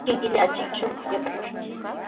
Kikillanchik shumaq yatrakushun.